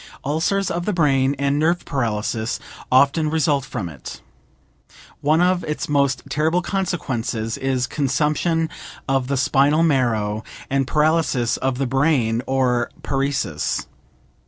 Ulcers of the brain and nerve paralysis often result from it. One of its most terrible consequences is consumption of the spinal marrow and paralysis of the brain, or paresis.